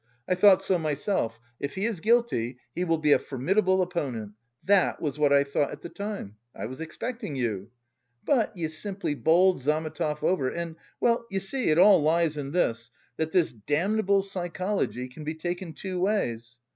I thought so myself, if he is guilty he will be a formidable opponent. That was what I thought at the time. I was expecting you. But you simply bowled Zametov over and... well, you see, it all lies in this that this damnable psychology can be taken two ways!